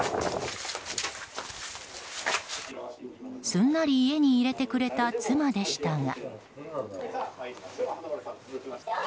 すんなり家に入れてくれた妻でしたが。